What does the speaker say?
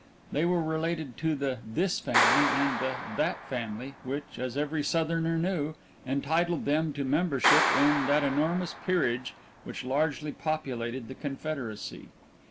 They were related to the This Family and the That Family, which, as every Southerner knew, entitled them to membership in that enormous peerage which largely populated the Confederacy.